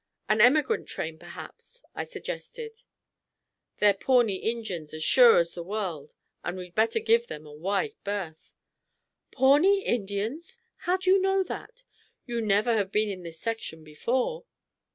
"An emigrant train, perhaps," I suggested. "They're Pawnee Injins as sure as the world, and we'd better give them a wide berth." "Pawnee Indians! How do you know that? You never have been in this section before?"